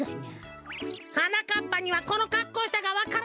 はなかっぱにはこのかっこよさがわからないのさ。